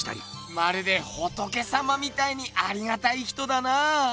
まるで仏様みたいにありがたい人だな。